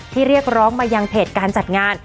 เรียกร้องมายังเพจการจัดงาน